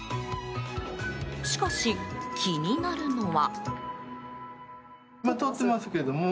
しかし、気になるのは。